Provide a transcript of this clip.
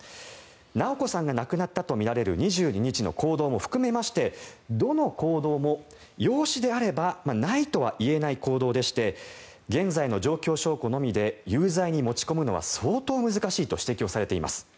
直子さんが亡くなったとみられる２２日の行動も含めましてどの行動も養子であればないとは言えない行動でして現在の状況証拠のみで有罪に持ち込むのは相当難しいと指摘をされています。